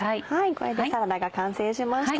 これでサラダが完成しました。